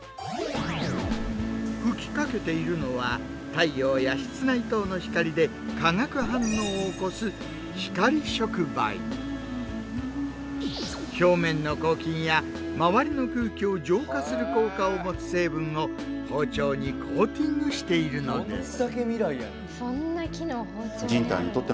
吹きかけているのは太陽や室内灯の光で化学反応を起こす表面の抗菌や周りの空気を浄化する効果を持つ成分を包丁にコーティングしているのです。